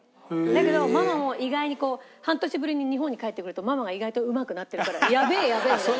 だけどママも意外にこう半年ぶりに日本に帰ってくるとママが意外とうまくなってるからやべえやべえみたいな。